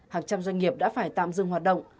hàng trăm doanh nghiệp đã phải tạm dừng hoạt động